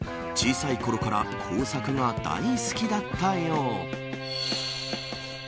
小さいころから工作が大好きだったよう。